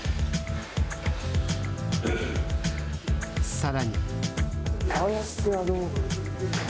さらに。